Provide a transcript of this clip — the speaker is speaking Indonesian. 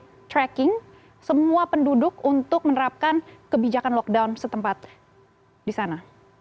jadi tracking semua penduduk untuk menerapkan kebijakan lockdown setempat di sana